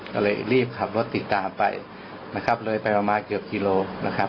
ก็เลยรีบขับรถติดตามไปนะครับเลยไปประมาณเกือบกิโลนะครับ